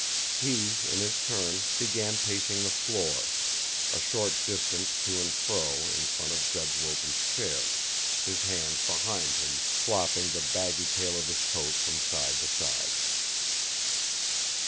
He, in his turn, began pacing the floor, a short distance to and fro in front of Judge Wilton's chair, his hands behind him, flopping the baggy tail of his coat from side to side.